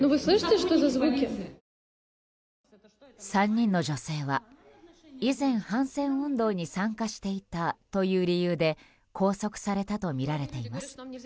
３人の女性は以前、反戦運動に参加していたという理由で拘束されたとみられています。